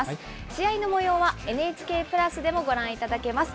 試合のもようはＮＨＫプラスでもご覧いただけます。